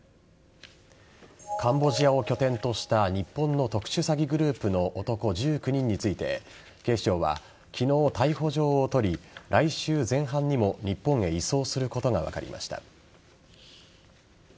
カンボジアを拠点とした日本の特殊詐欺グループの男１９人について警視庁は昨日、逮捕状を取り来週前半にも日本へ移送することが分かりました。